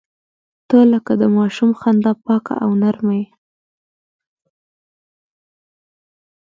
• ته لکه د ماشوم خندا پاکه او نرمه یې.